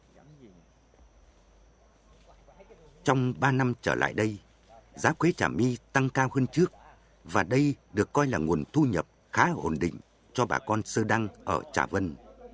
trong ba năm trở lại đây giá quế trả mi tăng cao hơn trước và đây được coi là nguồn thu nhập khá hồn định cho bà con sơ đăng ở trả vân